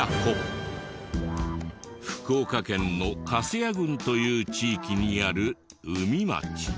福岡県の糟屋郡という地域にある宇美町。